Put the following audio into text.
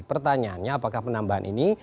pertanyaannya apakah penambahan ini